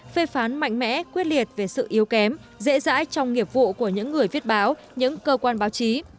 phê phán mạnh mẽ quyết liệt về sự yếu kém dễ dãi trong nghiệp vụ của những người viết báo những cơ quan báo chí